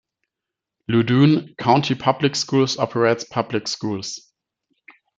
Loudoun County Public Schools operates public schools.